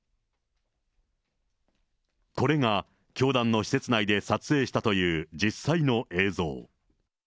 これが教団の施設内で撮影したという実際の映像。